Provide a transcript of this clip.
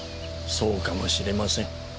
そうかもしれません。